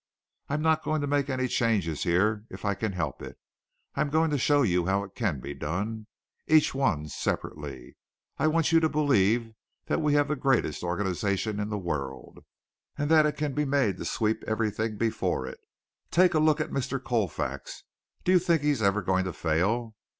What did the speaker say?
I'm not going to make any changes here if I can help it. I'm going to show you how it can be done each one separately. I want you to believe that we have the greatest organization in the world, and it can be made to sweep everything before it. Take a look at Mr. Colfax. Do you think he is ever going to fail?